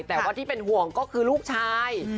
แต่ว่าที่เป็นห่วงก็คือลูกชาย